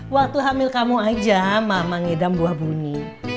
waktu hamil kamu aja mama ngidam buah bunyi